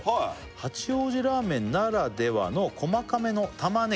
「八王子ラーメンならではの細かめのタマネギ」